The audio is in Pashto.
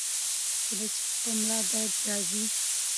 کۀ د چا پۀ ملا درد راځي -